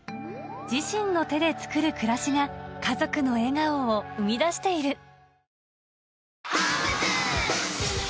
自身の手でつくる暮らしが家族の笑顔を生み出している